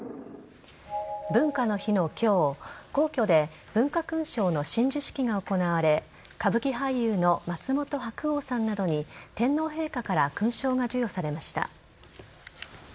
文化の日の今日皇居で文化勲章の親授式が行われ歌舞伎俳優の松本白鸚さんなどに天皇陛下から勲章が授与されました。